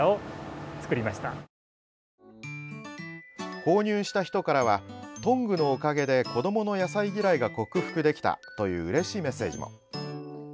購入した人からはトングのおかげで子どもの野菜嫌いが克服できたといううれしいメッセージも。